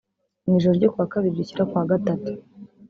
Mu ijoro ryo kuwa Kabiri rishyira kuwa Gatatu